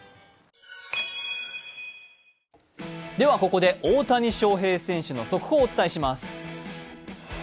ここで大谷翔平選手の速報をお伝えします。